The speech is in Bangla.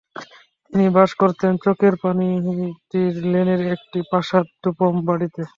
তিনি বাস করতেন চকের পানিয়াটি লেনের একটি প্রাসাদোপম বাড়িতে।